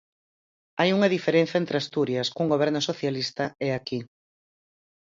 Hai unha diferenza entre Asturias, cun goberno socialista, e aquí.